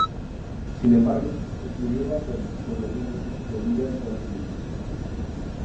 Sin embargo, escribió bajo el pseudónimo de Olivia Goldsmith.